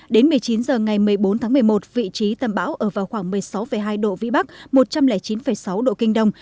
đến một mươi chín h ngày một mươi bốn tháng một mươi một vị trí tâm bão ở vào khoảng một mươi sáu hai độ vĩ bắc một trăm linh chín sáu độ kinh đông